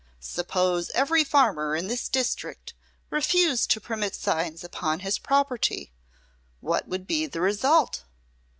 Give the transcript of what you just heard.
Suppose every farmer in this district refused to permit signs upon his property; what would be the result?